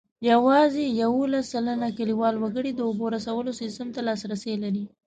یوازې اوولس سلنه کلیوال وګړي د اوبو رسولو سیسټم ته لاسرسی لري.